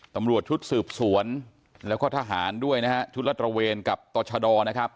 ตำรวจชุดสืบสวนแล้วก็ทหารด้วยนะฮะชุดละตระเวนกับต่อชดนะครับ